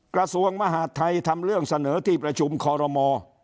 กระทรวงมหาดไทยทำเรื่องเสนอที่ประชุมคอรมอ